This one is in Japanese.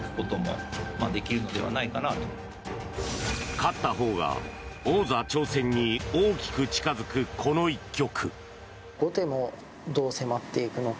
勝ったほうが王座挑戦に大きく近付くこの一局。